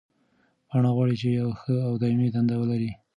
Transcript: پاڼه غواړي چې یوه ښه او دایمي دنده ولري.